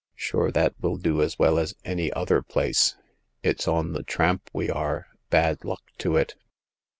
Sure that will do as well as any other place. It's on the tramp we are— bad luck to it